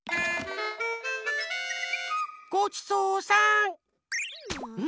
ごちそうさん。